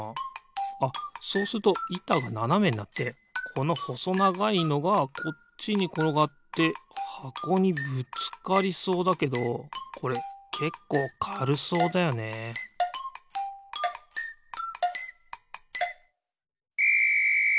あっそうするといたがななめになってこのほそながいのがこっちにころがってはこにぶつかりそうだけどこれけっこうかるそうだよねピッ！